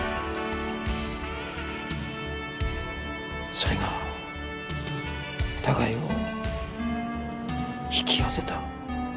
それが互いを引き寄せた。